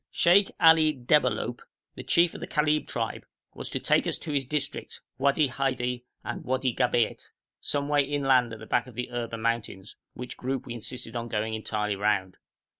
Sheikh Ali Debalohp, the chief of the Kilab tribe, was to take us to his district, Wadi Hadai and Wadi Gabeit, some way inland at the back of the Erba mountains, which group we insisted on going entirely round.